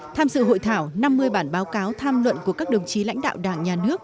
tham dự hội thảo năm mươi bản báo cáo tham luận của các đồng chí lãnh đạo đảng nhà nước